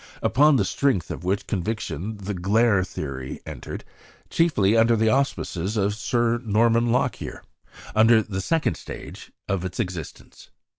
Upon the strength of which conviction the "glare" theory entered, chiefly under the auspices of Sir Norman Lockyer, upon the second stage of its existence.